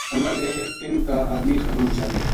اللہ نے اِنھ کا ادمی خراما بچا لیا